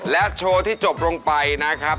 และโชว์ที่จบลงไปนะครับ